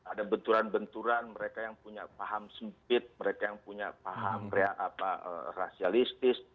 ada benturan benturan mereka yang punya paham sempit mereka yang punya paham rasialistis